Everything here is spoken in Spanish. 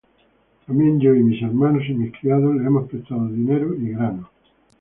También yo, y mis hermanos, y mis criados, les hemos prestado dinero y grano: